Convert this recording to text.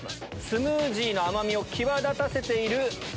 スムージーの甘みを際立たせているある食材。